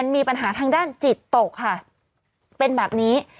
มีปัญหาทางด้านจิตตกค่ะเป็นแบบนี้